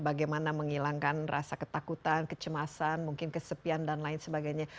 bagaimana menghilangkan rasa ketakutan kecemasan mungkin kesepian dan lain sebagainya